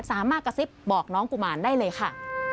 สามารถกระซิบบอกน้องกุมารได้เลยค่ะ